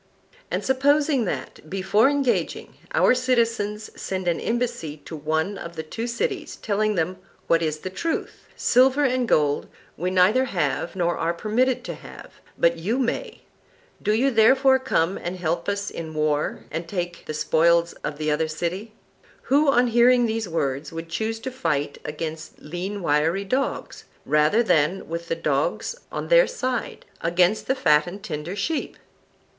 And suppose that, before engaging, our citizens send an embassy to one of the two cities, telling them what is the truth: Silver and gold we neither have nor are permitted to have, but you may; do you therefore come and help us in war, and take the spoils of the other city: Who, on hearing these words, would choose to fight against lean wiry dogs, rather than, with the dogs on their side, against fat and tender sheep?